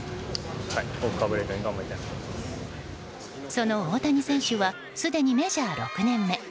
その大谷選手はすでにメジャー６年目。